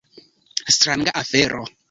Stranga afero.